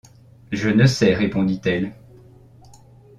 Je ne sais, répondit-elle.